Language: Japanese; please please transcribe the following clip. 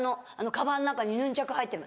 カバンの中にヌンチャク入ってる。